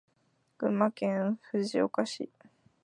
群馬県藤岡市